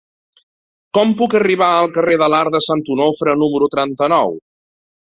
Com puc arribar al carrer de l'Arc de Sant Onofre número trenta-nou?